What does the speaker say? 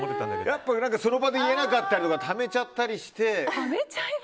やっぱりその場で言えなかったのをためちゃったりして。